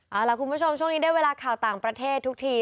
เอาล่ะคุณผู้ชมช่วงนี้ได้เวลาข่าวต่างประเทศทุกที